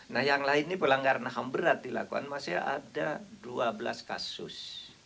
nah yang lain ini pelanggaran ham berat dilakukan masih ada dua belas kasus